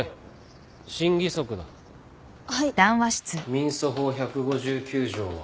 民訴法１５９条は？